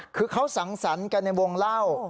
คือเขาสังสรรค์กันในวงเล่า